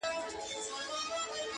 o اوس عجيبه جهان كي ژوند كومه؛